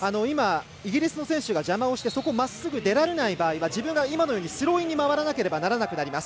イギリスの選手が邪魔をしてそこをまっすぐ出られない場合は、自分が今のようにスローインに回らなければならなくなります。